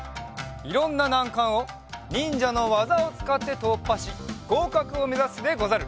いろんななんかんをにんじゃのわざをつかってとっぱしごうかくをめざすでござる！